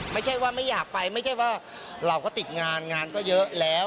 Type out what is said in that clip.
ไม่ใช่ว่าไม่อยากไปไม่ใช่ว่าเราก็ติดงานงานก็เยอะแล้ว